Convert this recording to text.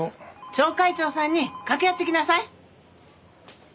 町会長さんに掛け合ってきなさい！